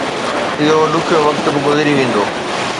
اهو ڏکيو وقت به گذري ويندو